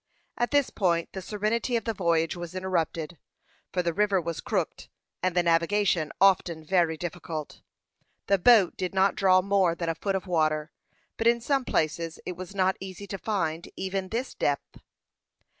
At this point the serenity of the voyage was interrupted, for the river was crooked, and the navigation often very difficult. The boat did not draw more than a foot of water, but in some places it was not easy to find even this depth.